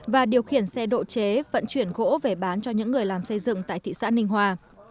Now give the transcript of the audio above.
và điều khiển xe độ chế vận chuyển gỗ về bán cho những người làm xây dựng tại thị xã ninh hòa